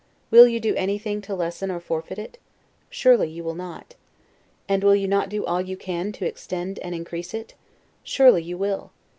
Will you do anything to lessen or forfeit it? Surely you will not. And will you not do all you can to extend and increase it? Surely you will.